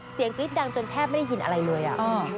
กรี๊ดดังจนแทบไม่ได้ยินอะไรเลยอ่ะ